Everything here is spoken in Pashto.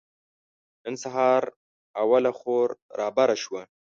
نن سهار اوله خور رابره شوه.